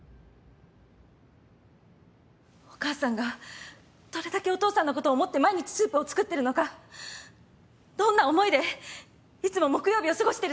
お母さんがどれだけお父さんのことを思って毎日スープを作ってるのかどんな思いでいつも木曜日を過ごしてるのか。